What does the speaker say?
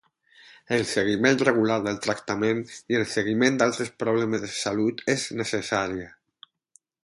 El seguiment regular del tractament i el seguiment d'altres problemes de salut és necessària.